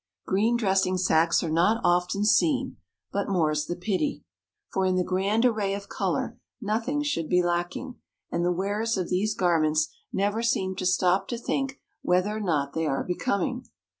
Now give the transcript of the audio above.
Green dressing sacks are not often seen, but more's the pity, for in the grand array of colour nothing should be lacking, and the wearers of these garments never seem to stop to think whether or not they are becoming.